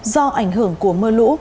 do ảnh hưởng của mưa lũ